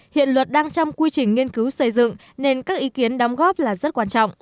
hiện luật đang trong quy trình nghiên cứu xây dựng nên các ý kiến đóng góp là rất quan trọng